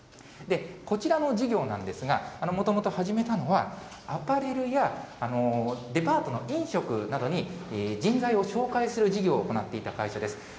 こちらの事業なんですが、もともと始めたのは、アパレルやデパートの飲食などに人材を紹介する事業を行っていた会社です。